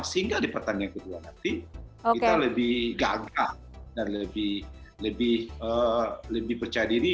sehingga di pertandingan kedua nanti kita lebih gagah dan lebih percaya diri